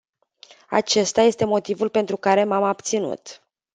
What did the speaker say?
Acesta este motivul pentru care m-am abținut.